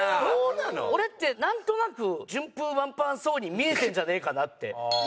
俺ってなんとなく順風満帆そうに見えてるんじゃねえかなって。